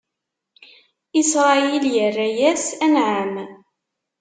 Isṛayil irra-yas: Anɛam!